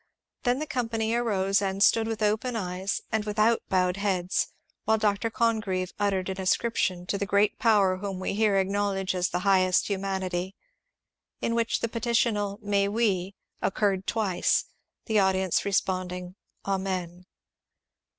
Then the company arose and stood with open eyes and without bowed heads while Dr. Con greve uttered an ascription to the " Great Power whom we here acknowledge as the Highest, Humanity," in which the petitional " may we " occurred twice, the audience responding " Amen."